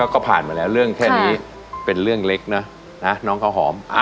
ก็ผ่านมาแล้วเรื่องแค่นี้เป็นเรื่องเล็กนะน้องข้าวหอม